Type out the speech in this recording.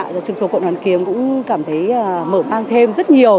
chương trình của quận hoàn kiếm cũng cảm thấy mở mang thêm rất nhiều